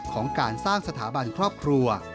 ของการสร้างสถาบันครอบครัว